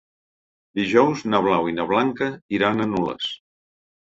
Dijous na Blau i na Blanca iran a Nules.